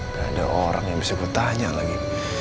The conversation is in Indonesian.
dan ada orang yang bisa bertanya lagi